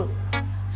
saya datang ke sini